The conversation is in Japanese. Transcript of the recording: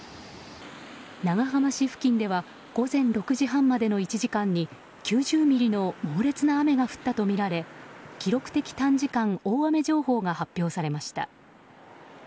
長浜市付近では午前６時半までの１時間に９０ミリの猛烈な雨が降ったとみられ記録的短時間大雨情報が発表されました。